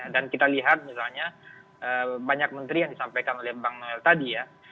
dan kita lihat misalnya banyak menteri yang disampaikan oleh bang noel tadi ya